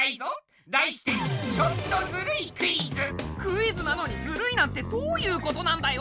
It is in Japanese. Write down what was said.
題してクイズなのにずるいなんてどういうことなんだよ